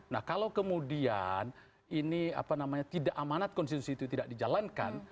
nah kalau kemudian ini apa namanya tidak amanat konstitusi itu tidak dijalankan